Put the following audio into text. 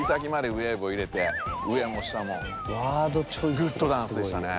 グッドダンスでしたね。